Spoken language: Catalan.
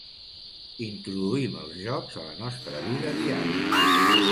Introduïm els jocs a la nostra vida diària.